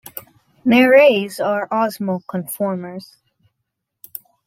Nereis are osmoconformers.